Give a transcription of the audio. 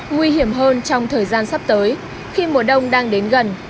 nguy hiểm hơn trong thời gian sắp tới khi mùa đông đang đến gần